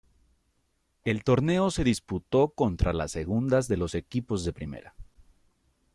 El torneo se disputó contra las segundas de los equipos de primera.